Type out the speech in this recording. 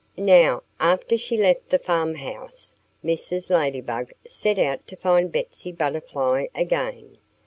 Now, after she left the farmhouse Mrs. Ladybug set out to find Betsy Butterfly again.